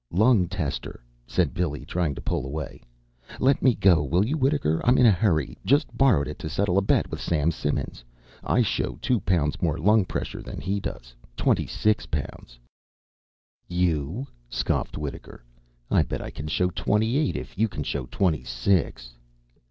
"Lung tester," said Billy, trying to pull away. "Let me go, will you, Wittaker? I'm in a hurry. Just borrowed it to settle a bet with Sam Simmons. I show two pounds more lung pressure than he does. Twenty six pounds." "You?" scoffed Wittaker. "I bet I can show twenty eight, if you can show twenty six."